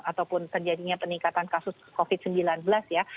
ataupun terjadinya peningkatan kasus covid sembilan belas ya